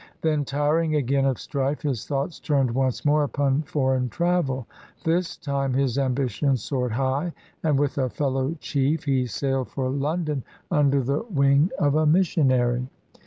Then, tiring again of strife, his thoughts turned once more upon for . eign travel. This time his ambition soared high, and ij with a fellow chief he sailed for London under the wing 498 IHE MISSIONARY AND THE CANNIBALS of a missionary.